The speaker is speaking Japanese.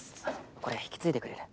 これ引き継いでくれる？